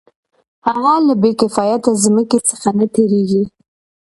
هغه له بې کفایته ځمکې څخه نه تېرېږي